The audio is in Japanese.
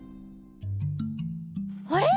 あれ？